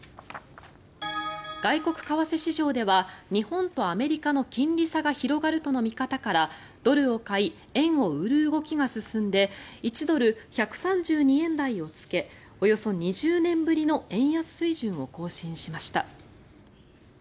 外国為替市場では日本とアメリカの金利差が広がるとの見方からドルを買い円を売る動きが進んで１ドル＝１３２円台をつけおよそ２０年ぶりの円安水準を更新しました。